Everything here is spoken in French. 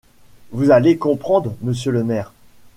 Vous allez comprendre, monsieur le maire.